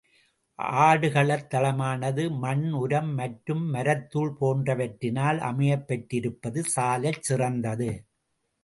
ஆடுகளத் தளமானது, மண், உரம் மற்றும் மரத்துள் போன்றவற்றினால் அமையப் பெற்றிருப்பது சாலச்சிறந்ததது.